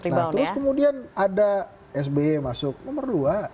nah terus kemudian ada sby masuk nomor dua